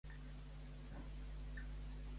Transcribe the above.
D'on va sorgir Amaterasu?